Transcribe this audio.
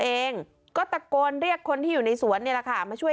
เองก็ตะโกนเรียกคนที่อยู่ในสวนนี่แหละค่ะมาช่วย